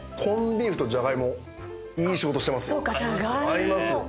合いますよね。